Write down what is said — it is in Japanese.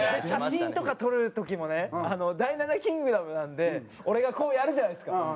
写真とか撮る時もね『第７キングダム』なんで俺がこうやるじゃないですか。